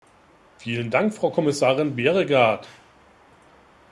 Vielen Dank Frau Kommissarin Bjerregaard.